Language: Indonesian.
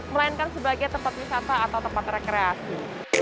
melainkan sebagai tempat wisata atau tempat rekreasi